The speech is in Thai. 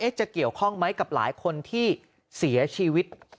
จะเกี่ยวข้องไหมกับหลายคนที่เสียชีวิต